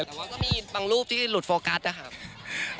จะบ้างรูปที่หลุดโฟกัสนะครับ